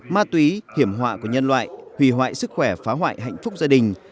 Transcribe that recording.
ma túy hiểm họa của nhân loại hủy hoại sức khỏe phá hoại hạnh phúc gia đình